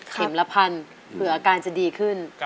เข็มละพันเผื่อการจะดีขึ้น